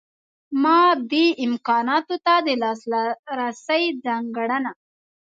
مادي امکاناتو ته د لاسرسۍ ځانګړنه.